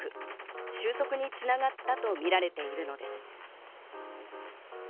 収束に繋がったとみられているのです。